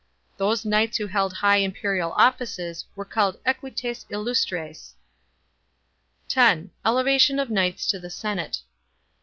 Those knights who held high imperial offices were called equites illustres. (10) Elevation of knights to the senate.